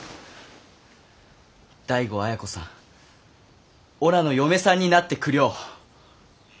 醍醐亜矢子さんおらの嫁さんになってくりょう。